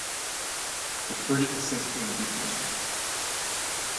The frigate has since been decommissioned.